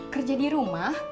kerja di rumah